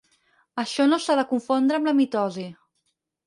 Això no s'ha de confondre amb la mitosi.